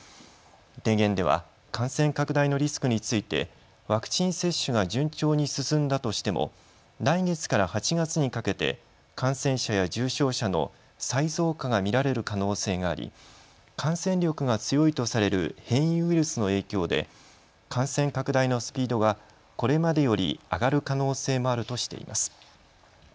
提言では感染拡大のリスクについてワクチン接種が順調に進んだとしても来月から８月にかけて感染者や重症者の再増加が見られる可能性があり感染力が強いとされる変異ウイルスの影響で感染拡大のスピードがこれまでより上がる可能性もあるとしています。